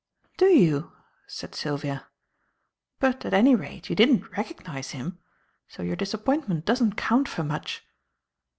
"Do you?" said Sylvia. "But, at any rate, you didn't recognize him; so your disappointment doesn't count for much."